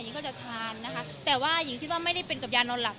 ก็จะทานนะคะแต่ว่าหญิงคิดว่าไม่ได้เป็นกับยานอนหลับ